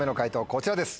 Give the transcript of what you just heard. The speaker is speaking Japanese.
こちらです。